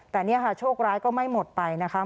แต่เนี่ยค่ะโชคร้ายก็ไม่หมดไปนะคะ